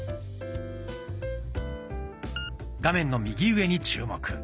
画面の右上に注目。